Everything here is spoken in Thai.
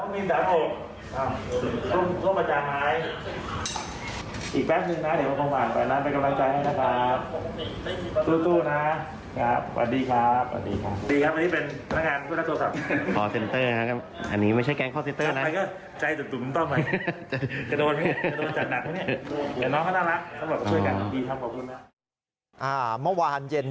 เมื่อวานเย็น